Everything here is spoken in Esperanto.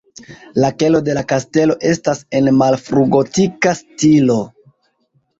La kelo de la kastelo estas en malfrugotika stilo.